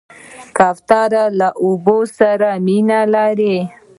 کوتره له اوبو سره مینه لري.